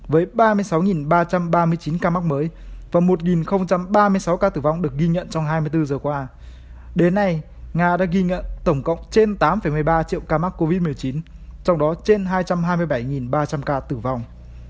với ba mươi sáu ba trăm ba mươi chín ca mắc mới và một ba mươi sáu ca tử vong được ghi nhận trong hai mươi bốn giờ qua đến nay nga đã ghi nhận tổng cộng trên tám một mươi ba triệu ca mắc covid một mươi chín trong đó trên hai trăm hai mươi bảy ba trăm linh ca tử vong